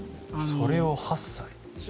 それを８歳。